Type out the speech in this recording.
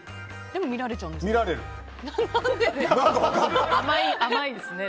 でも見られちゃうんですね。